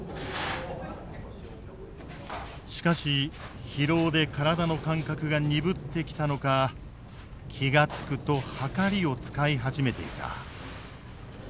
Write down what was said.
しかし疲労で体の感覚が鈍ってきたのか気が付くと秤を使い始めていた。